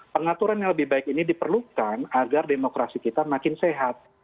pengaturan yang lebih baik ini diperlukan agar demokrasi kita makin sehat